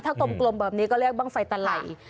ถ้ากลมแบบนี้ก็เลือกบ้างไฟตลาย